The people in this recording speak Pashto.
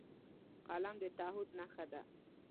قلم د تعهد نښه ده